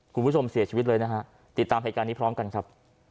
คุณผู้ชมเสียชีวิตเลยนะฮะติดตามเหตุการณ์นี้พร้อมกันครับ